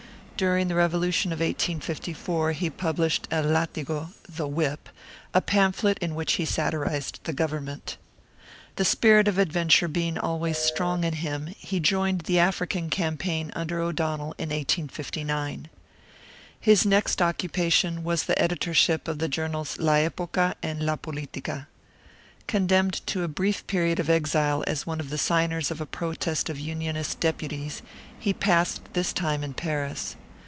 During the revolution of 1854 he published El Látigo (The Whip), a pamphlet in which he satirized the government. The spirit of adventure being always strong in him, he joined the African campaign under O'Donnell in 1859. His next occupation was the editorship of the journals La Epoca and La Politica. Condemned to a brief period of exile as one of the signers of a protest of Unionist deputies, he passed this time in Paris.